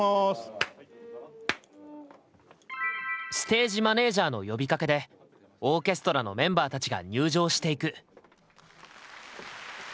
ステージマネージャーの呼びかけでオーケストラのメンバーたちが入場していく。